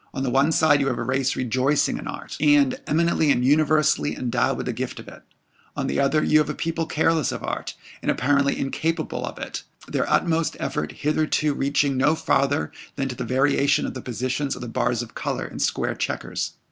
On the one side you have a race rejoicing in art, and eminently and universally endowed with the gift of it; on the other you have a people careless of art, and apparently incapable of it, their utmost effort hitherto reaching no farther than to the variation of the positions of the bars of colour in square chequers.